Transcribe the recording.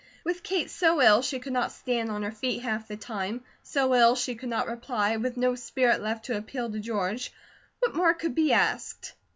With Kate so ill she could not stand on her feet half the time, so ill she could not reply, with no spirit left to appeal to George, what more could be asked?